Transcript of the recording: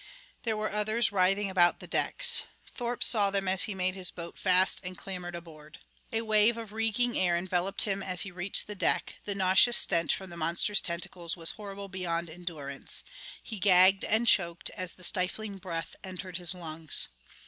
There were others writhing about the decks. Thorpe saw them as he made his boat fast and clambered aboard. A wave of reeking air enveloped him as he reached the deck; the nauseous stench from the monster's tentacles was horrible beyond endurance. He gagged and choked as the stifling breath entered his lungs.